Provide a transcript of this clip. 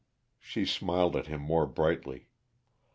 She smiled at him more brightly.